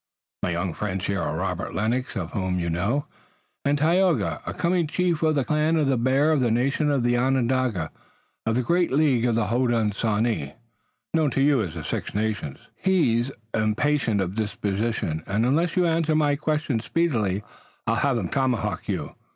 My young friends here are Robert Lennox, of whom you know, and Tayoga, a coming chief of the Clan of the Bear, of the nation Onondaga, of the great League of the Hodenosaunee, known to you as the Six Nations. He's impatient of disposition and unless you answer my question speedily I'll have him tomahawk you.